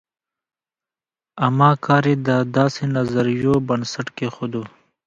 اما کار یې د داسې نظریو بنسټ کېښود.